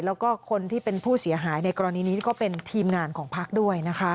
แล้วก็คนที่เป็นผู้เสียหายในกรณีนี้ก็เป็นทีมงานของพักด้วยนะคะ